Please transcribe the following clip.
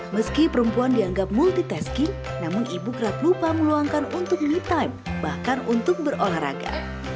meski perempuan dianggap multitasking namun ibu kerap lupa meluangkan untuk me time bahkan untuk berolahraga